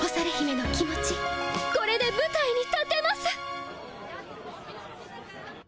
これでぶたいに立てます。